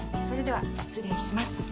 それでは失礼します。